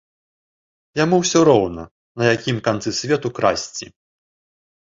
Яму ўсё роўна, на якім канцы свету красці.